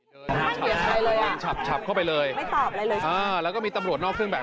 ท่านครับตรงลงบ้านเราจะชี้แตงอะไรไหมครับท่านครับ